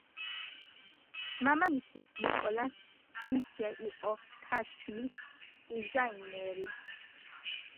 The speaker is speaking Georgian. მამამისი ნიკოლას ბუშე იყო თასმის დიზაინერი.